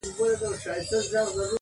• دا مناففت پرېږده کنې نو دوږخي به سي..